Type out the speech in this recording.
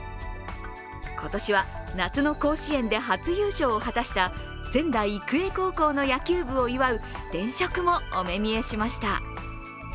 今年は、夏の甲子園で初優勝を果たした仙台育英高校の野球部を祝う電飾もお目見えしました。